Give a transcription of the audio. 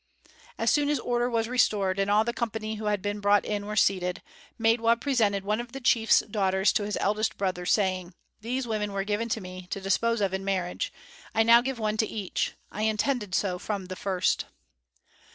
As soon as order was restored, and all the company who had been brought in were seated, Maidwa presented one of the chief's daughters to his eldest brother, saying: "These women were given to me, to dispose of in marriage. I now give one to each. I intended so from the first."